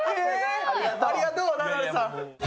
ありがとう、ナダルさん。